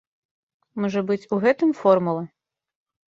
Можа быць, у гэтым формула?